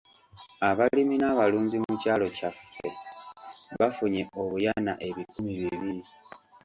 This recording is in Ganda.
Abalimi n'abalunzi mu kyalo kyaffe bafunye obuyana ebikumi bibiri.